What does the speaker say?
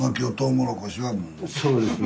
そうですね。